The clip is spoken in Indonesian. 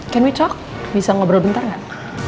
can we talk bisa ngobrol bentar kan